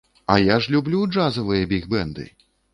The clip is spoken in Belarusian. А я ж люблю джазавыя біг-бэнды!